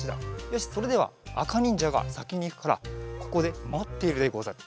よしそれではあかにんじゃがさきにいくからここでまっているでござる。